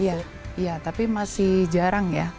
iya iya tapi masih jarang ya